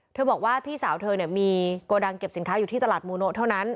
บอกว่าพี่สาวเธอมีโกดังเก็บสินค้าอยู่ที่ตลาดมูโนะเท่านั้น